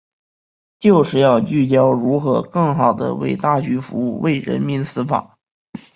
就是要聚焦如何更好地为大局服务、为人民司法